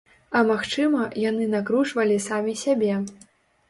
А магчыма, яны накручвалі самі сябе.